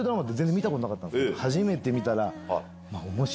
初めて見たら。